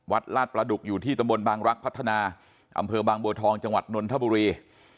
ลาดประดุกอยู่ที่ตำบลบางรักพัฒนาอำเภอบางบัวทองจังหวัดนนทบุรี